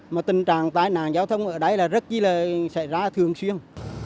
mà tình trạng tai nạn giao thông ở đây là rất là xảy ra thường xuyên